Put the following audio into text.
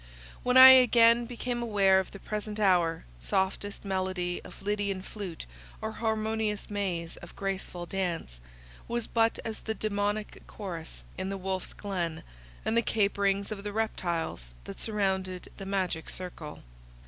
When I again became aware of the present hour, softest melody of Lydian flute, or harmonious maze of graceful dance, was but as the demoniac chorus in the Wolf's Glen, and the caperings of the reptiles that surrounded the magic circle.